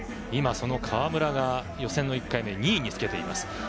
今、その川村が予選１回目で２位につけています。